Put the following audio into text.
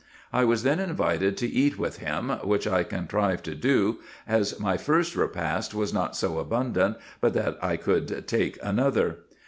I was then invited to eat with him, which I contrived to do, as my first repast was not so abundant but that I could take another.